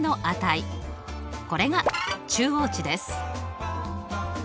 これが中央値です。